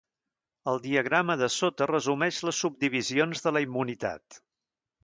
El diagrama de sota resumeix les subdivisions de la immunitat.